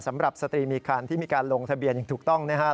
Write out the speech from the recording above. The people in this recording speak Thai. สำหรับสตรีมีคันที่มีการลงทะเบียนอย่างถูกต้องนะครับ